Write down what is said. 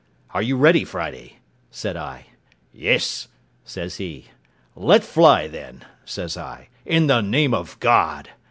"Are you ready, Friday?" said I. "Yes," says he. "Let fly, then," says I, "in the name of God!"